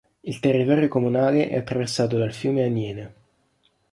Il territorio comunale è attraversato dal fiume Aniene.